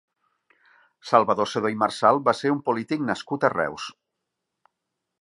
Salvador Sedó i Marsal va ser un polític nascut a Reus.